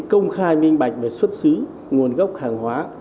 công khai minh bạch về xuất xứ nguồn gốc hàng hóa